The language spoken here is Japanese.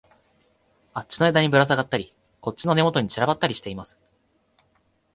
あっちの枝にぶらさがったり、こっちの根元に散らばったりしています